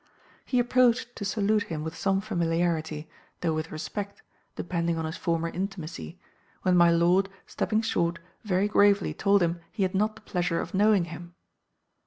He approached to salute him with some familiarity, though with respect, depending on his former intimacy, when my lord, stepping short, very gravely told him he had not the pleasure of knowing him.